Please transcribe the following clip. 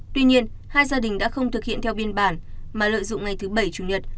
tuy nhiên hai gia đình đã không thực hiện theo biên bản mà lợi dụng ngày thứ bảy chủ nhật